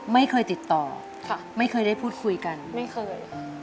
ไม่เคยติดต่อค่ะไม่เคยได้พูดคุยกันไม่เคย